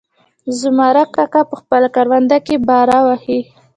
زمرک کاکا په خپله کرونده کې باره وهي.